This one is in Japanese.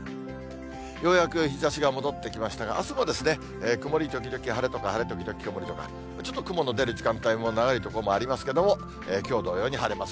ようやく日ざしが戻ってきましたが、あすも曇り時々晴れとか、晴れ時々曇りとか、ちょっと雲の出る時間帯も長い所もありますけれども、きょう同様に晴れます。